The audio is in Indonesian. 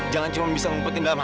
jangan cuma bisa ngumpetin dalam hati